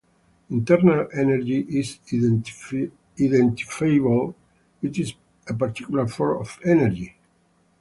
Internal energy is identifiable, it is a particular form of energy.